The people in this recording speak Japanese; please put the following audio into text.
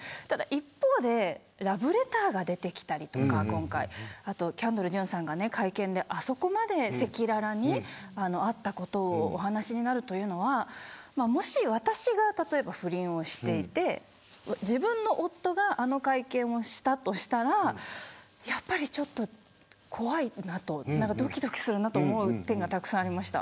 一方でラブレターが出てきたりキャンドル・ジュンさんが会見であそこまで赤裸々にあったことを話すというのはもし私が不倫をしていて自分の夫があの会見をしたとしたら怖いなとどきどきするという点がたくさんありました。